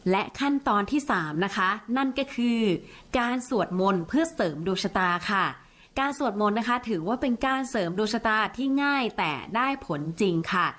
และขั้นตอนที่สามนะคะนั่นก็คือการสวดมนต์เพื่อเสริมดวงชะตาค่ะการสวดมนต์นะคะถือว่าเป็นการเสริมดวงชะตาที่ง่ายแต่ได้ผลจริงค่ะ